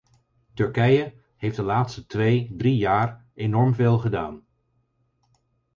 Turkije heeft de laatste twee, drie jaar enorm veel gedaan.